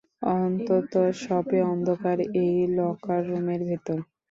অন্তত শপে অন্ধকার এই লকার রুমের ভেতর!